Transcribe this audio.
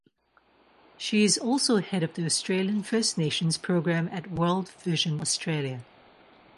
She is also head of the Australian First Nations program at World Vision Australia.